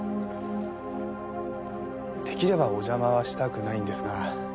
出来ればお邪魔はしたくないんですが。